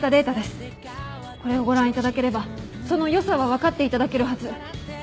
これをご覧いただければその良さは分かっていただけるはず。